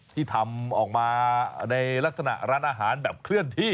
ที่ทำออกมาในลักษณะร้านอาหารแบบเคลื่อนที่